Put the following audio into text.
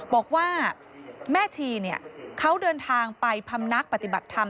บอกว่าแม่ชีเขาเดินทางไปพำนักปฏิบัติธรรม